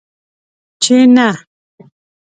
چې نه!